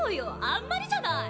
あんまりじゃない！